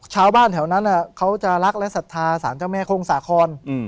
ชาวบ้านแถวนั้นเขาจะรักและศรัทธาสารเจ้าแม่โค้งสาคร